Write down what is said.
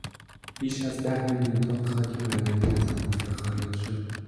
بیش از ده میلیون تن خاک معدنی از آن حفره خارج شد.